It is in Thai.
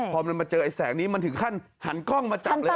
พอมันมาเจอไอแสงนี้มันถึงขั้นหันกล้องมาจับเลย